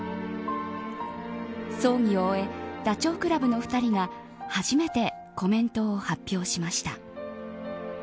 葬儀を終えダチョウ倶楽部の２人が初めてコメントを発表しました。